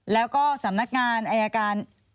แล้วก็สำนักงานอายการ